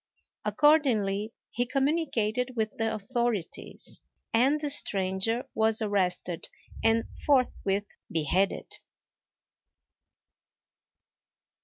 Accordingly, he communicated with the authorities, and the stranger was arrested and forthwith beheaded.